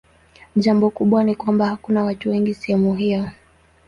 Jambo kubwa ni kwamba hakuna watu wengi sehemu hiyo.